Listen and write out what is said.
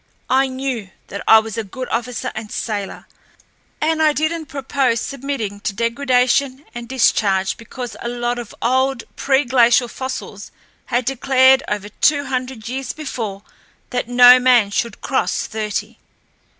I knew that I was a good officer and sailor, and I didn't propose submitting to degradation and discharge because a lot of old, preglacial fossils had declared over two hundred years before that no man should cross thirty.